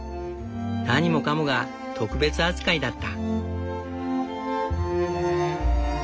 何もかもが特別扱いだった。